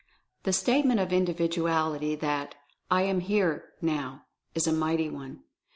The Statement of Individuality that "I AM HERE, NOW," is a mighty one.